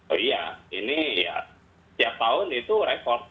oh iya ini ya setiap tahun itu rekod